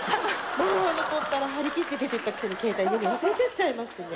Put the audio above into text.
もうあの子ったら張り切って出てったくせに携帯家に忘れてっちゃいましてね